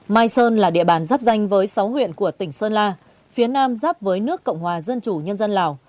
mai sơn là địa bàn giáp danh với sáu huyện của tỉnh sơn la phía nam giáp với nước cộng hòa dân chủ nhân dân lào